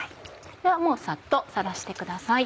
ではもうさっとさらしてください。